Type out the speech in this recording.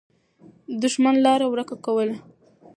دښمن لاره ورکه کوله.